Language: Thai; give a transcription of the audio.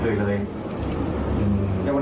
ที่จะมาที่นี้พ่อแหลก